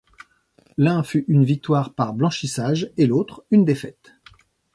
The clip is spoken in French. L'un fut une victoire par blanchissage et l'autre une défaite.